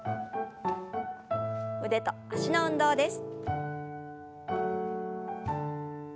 腕と脚の運動です。